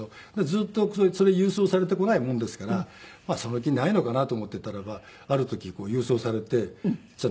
ずっとそれ郵送されてこないもんですからその気ないのかなと思っていたらばある時郵送されてそ